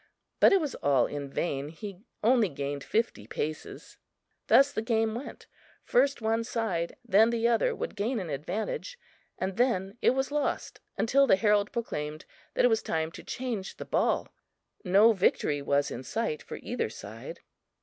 But it was all in vain. He only gained fifty paces. Thus the game went. First one side, then the other would gain an advantage, and then it was lost, until the herald proclaimed that it was time to change the ball. No victory was in sight for either side.